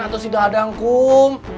atau si dadang kum